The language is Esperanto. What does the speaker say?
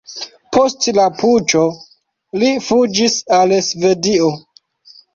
Post la puĉo li fuĝis al Svedio.